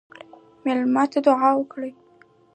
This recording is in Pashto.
مېلمه ته دعا وکړه.